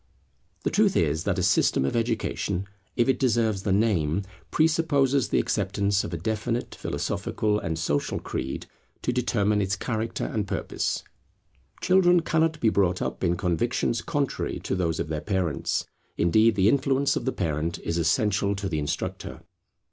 The truth is that a system of education, if it deserve the name, presupposes the acceptance of a definite philosophical and social creed to determine its character and purpose. Children cannot be brought up in convictions contrary to those of their parents; indeed, the influence of the parent is essential to the instructor.